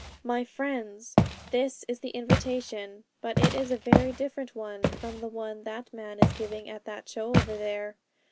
'My friends, this is the invitation; but it is a very different one from the one that man is giving at that show over there.